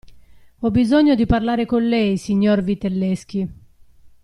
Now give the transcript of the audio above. Ho bisogno di parlare con lei, signor Vitelleschi.